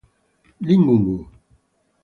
Lim Gun-u